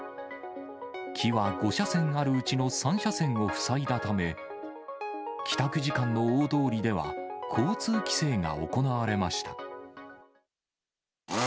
木は５車線あるうちの３車線を塞いだため、帰宅時間の大通りでは交通規制が行われました。